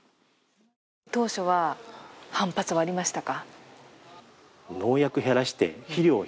当初は反発はありましたか？